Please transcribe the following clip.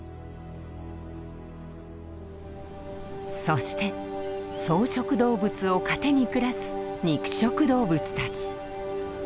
そして草食動物を糧に暮らす肉食動物たち。